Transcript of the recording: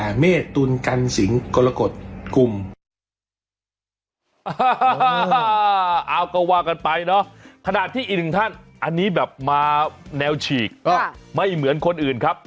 นี่ขอเตือนนะเตือนใครหลายคนที่จะเป็นอาบแสงจันทร์ในวันนี้